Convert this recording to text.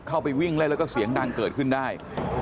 เข้าไปวิ่งเล่นแล้วก็เสียงดังเกิดขึ้นได้